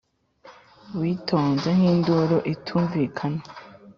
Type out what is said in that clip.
witonze nk'induru itumvikana,